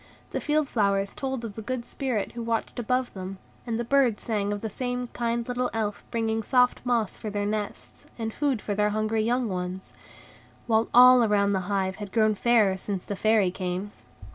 The field flowers told of the good spirit who watched above them, and the birds sang of the same kind little Elf bringing soft moss for their nests, and food for their hungry young ones; while all around the hive had grown fairer since the Fairy came.